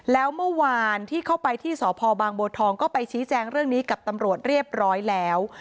แล้วเมื่อวานที่เข้าไปที่สพบางบัวทองก็ไปชี้แจงเรื่องนี้กับตำรวจเรียบร้อยแล้ว